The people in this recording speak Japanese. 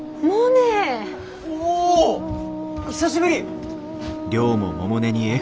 久しぶり！